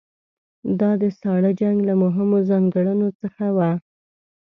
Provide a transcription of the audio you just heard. دا د ساړه جنګ له مهمو ځانګړنو څخه وه.